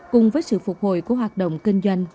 cùng với sự phục hồi của hoạt động kinh doanh